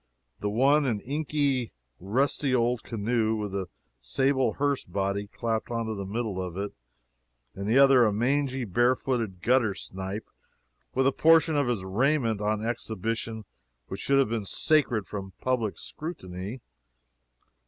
the one an inky, rusty old canoe with a sable hearse body clapped on to the middle of it, and the other a mangy, barefooted guttersnipe with a portion of his raiment on exhibition which should have been sacred from public scrutiny.